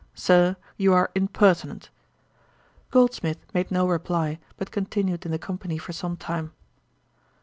Sir, you are impertinent.' Goldsmith made no reply, but continued in the company for some time.